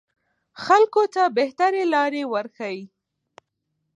خلکو ته بهترې لارې وروښيي